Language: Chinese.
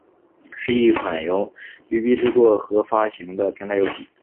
是一款由育碧制作和发行的平台游戏。